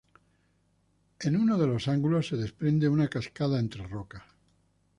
En uno de los ángulos se desprende una cascada entre rocas.